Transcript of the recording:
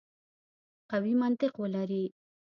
قوي منطق ولري.